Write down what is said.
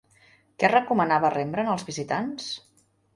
Què recomanava Rembrandt als visitants?